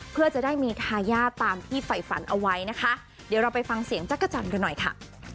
เพื่อจะได้มีทายาทตามที่ฝ่ายฝันเอาไว้นะคะเดี๋ยวเราไปฟังเสียงจักรจันทร์กันหน่อยค่ะ